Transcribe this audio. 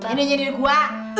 ini jadi gua